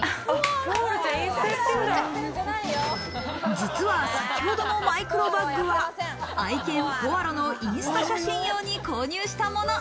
実は先ほどのマイクロバッグは愛犬・ポワロのインスタ写真用に購入したもの。